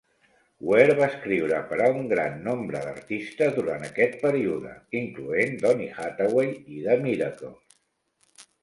Ware va escriure per a un gran nombre d'artistes durant aquest període, incloent Donny Hathaway i The Miracles.